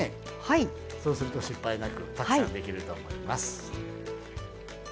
そうすると失敗なくたくさんできると思います。